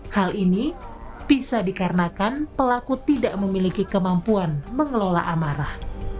hal ini bisa dikarenakan pelaku tidak memiliki kemampuan mengelola amarah